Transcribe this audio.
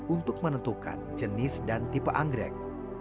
untuk menentukan jenis dan tipe anggrek